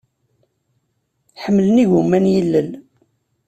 Ḥemmlen igumma n yilel.